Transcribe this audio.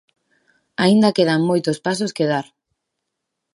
Aínda quedan moitos pasos que dar.